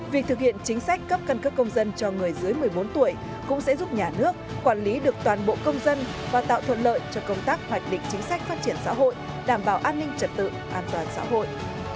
việc thực hiện chính sách cấp căn cước công dân cho người dưới một mươi bốn tuổi cũng sẽ giúp nhà nước quản lý được toàn bộ công dân và tạo thuận lợi cho công tác hoạch định chính sách phát triển xã hội đảm bảo an ninh trật tự an toàn xã hội